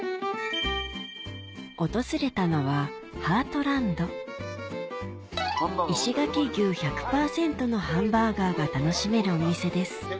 訪れたのは石垣牛１００％のハンバーガーが楽しめるお店です